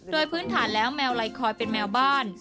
โดยพื้นฐานแล้วแมวไลคอยเป็นแมวบ้าน